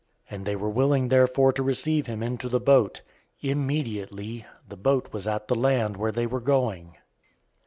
006:021 They were willing therefore to receive him into the boat. Immediately the boat was at the land where they were going.